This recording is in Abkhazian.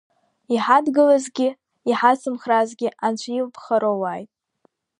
Иҳадгылазгьы, иҳацымхраазгьы анцәа илԥха роуааит.